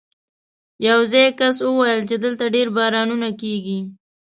یو ځايي کس وویل چې دلته ډېر بارانونه کېږي.